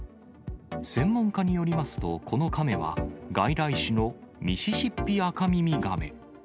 専門家によりますと、このカメは、外来種のミシシッピアカミミガメ。